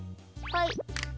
はい。